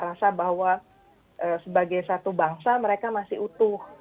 rasa bahwa sebagai satu bangsa mereka masih utuh